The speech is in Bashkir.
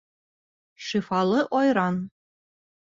ШИФАЛЫ АЙРАН